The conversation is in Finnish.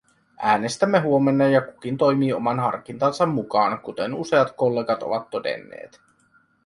Äänestämme huomenna, ja kukin toimii oman harkintansa mukaan, kuten useat kollegat ovat todenneet.